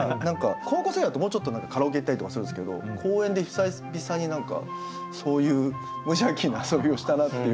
高校生だともうちょっとカラオケ行ったりとかするんですけど公園で久々に何かそういう無邪気な遊びをしたなっていう。